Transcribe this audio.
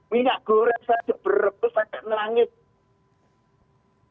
minyak goreng saja berebus agak menangis